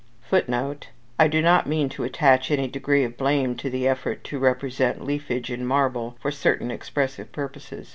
[Footnote: I do not mean to attach any degree of blame to the effort to represent leafage in marble for certain expressive purposes.